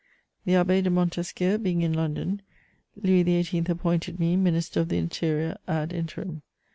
] The Abbé de Montesquiou being in London, Louis XVIII. appointed me Minister of the Interior _ad interim.